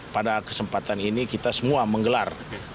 pada kesempatan ini kita semua menggelar